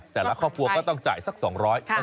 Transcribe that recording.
แต่ละครอบครัวก็ต้องจ่ายสัก๒๐๐บาท